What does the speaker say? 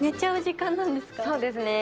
そうですね。